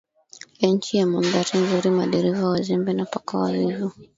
ya nchi ya mandhari nzuri madereva wazembe na paka wavivu